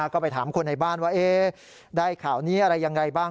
ก็ไปถามคนในบ้านว่าได้ข่าวนี้อะไรยังไงบ้าง